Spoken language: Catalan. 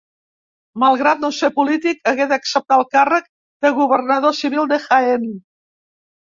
Malgrat no ser polític, hagué d'acceptar el càrrec de governador civil de Jaén.